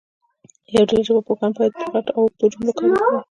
یوه ډله ژبپوهان باید پر غټو او اوږدو جملو کار وکړي.